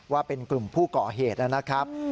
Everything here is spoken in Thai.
ว่าเป็นกลุ่มผู้ก่อเหตุนะครับ